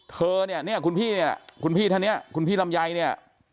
เธอเนี่ยเนี่ยคุณพี่เนี่ยคุณพี่ท่านเนี่ยคุณพี่ลำไยเนี่ย